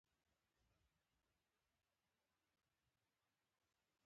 په منځنۍ امریکا کې کېله، قهوه او کاکاو کرل کیږي.